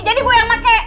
jadi gue yang pake